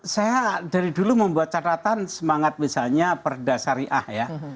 saya dari dulu membuat catatan semangat misalnya perdasariah ya